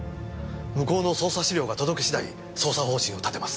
向こうの捜査資料が届き次第捜査方針を立てます。